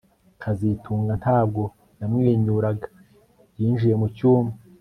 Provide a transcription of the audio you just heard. kazitunga ntabwo yamwenyuraga yinjiye mucyumba